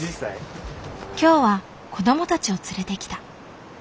今日は子どもたちを連れてきた。